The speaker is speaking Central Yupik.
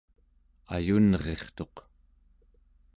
ayunrirtuq